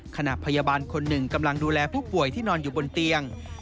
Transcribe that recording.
พยาบาลคนหนึ่งกำลังดูแลผู้ป่วยที่นอนอยู่บนเตียง